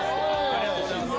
ありがとうございます。